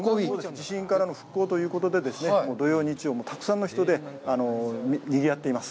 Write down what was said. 地震からの復興ということで、土曜、日曜もたくさんの人でにぎわっています。